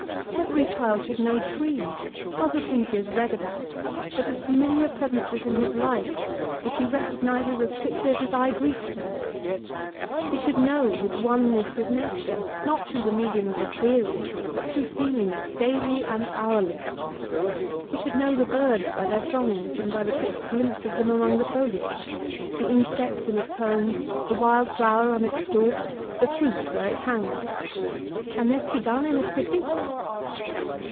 Every child should know trees, not as things he has read about, but as familiar presences in his Hfe, which he recognizes as quickly as his eyes greet them. He should know his oneness with nature, not through the medium of a theory, but through feeling it daily and hourly. He should know the birds by their songs, and by the quick glin4>se of them among the foliage ; the insect in its home, the wild flower on its stalk, the fruit where it hangs. Can this be done in a city?